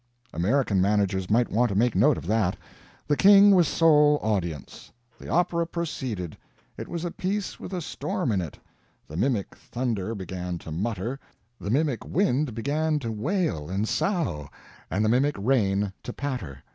American managers might want to make a note of that. The King was sole audience. The opera proceeded, it was a piece with a storm in it; the mimic thunder began to mutter, the mimic wind began to wail and sough, and the mimic rain to patter.